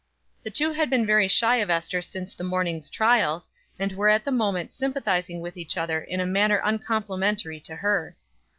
The two had been very shy of Ester since the morning's trials, and were at that moment sympathizing with each other in a manner uncomplimentary to her.